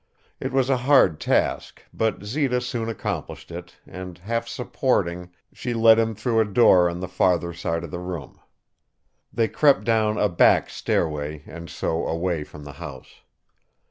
It was a hard task, but Zita soon accomplished it and, half supporting, she led him through a door on the farther side of the room. They crept down a back stairway and so away from the house.